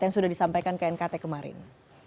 yang sudah disampaikan ke nkt kemarin